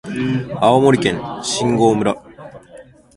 青森県新郷村